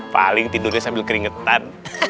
paling tidurnya sambil keringetan